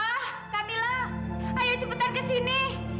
pak kamila ayo cepetan ke sini